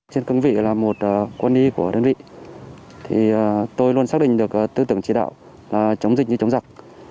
trên cân vị là một quân y của đơn vị tôi luôn xác định được tư tưởng chỉ đạo là chống dịch như chống giặc